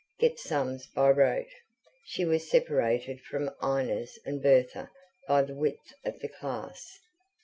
get sums by rote she was separated from Inez and Bertha by the width of the class.